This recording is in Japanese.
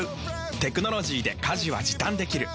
テクノロジーで家事は時短できる。